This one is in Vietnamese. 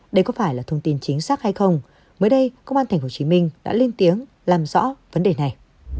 đây có phải là thông tin chính xác hay không mới đây công an tp hcm đã lên tiếng làm rõ vấn đề này